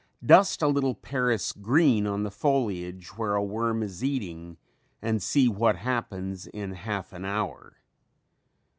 Dust a little Paris green on the foliage where a worm is eating and see what happens in half an hour.